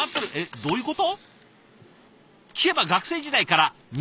どういうこと？